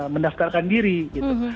mendaftarkan diri gitu